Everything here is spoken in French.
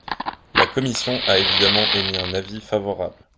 La commission a évidemment émis un avis favorable.